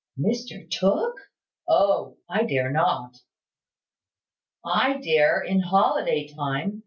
"Mr Tooke? Oh! I dare not." "I dare, in holiday time.